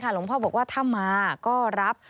หลวงพ่อบอกว่าถ้ามาก็รับ